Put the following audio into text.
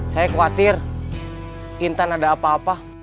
saya khawatir intan ada apa apa